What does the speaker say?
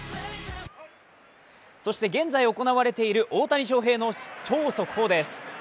そして現在行われている大谷翔平の超速報です。